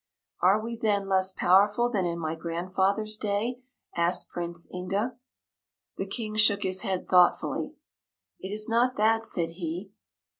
"Are we, then, less powerful than in my grandfather's day?" asked Prince Inga. The King shook his head thoughtfully. "It is not that," said he.